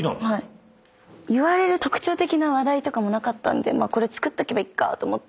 言われる特徴的な話題とかもなかったんで作っとけばいっかと思って。